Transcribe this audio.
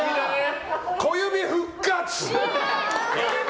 小指復活。